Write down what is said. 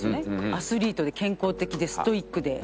アスリートで健康的でストイックで。